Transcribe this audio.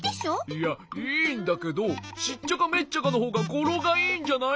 いやいいんだけどシッチャカメッチャカのほうがごろがいいんじゃない？